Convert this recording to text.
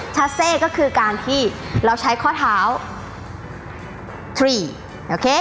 ัสเซ่ก็คือการที่เราใช้ข้อเท้าทรีโอเค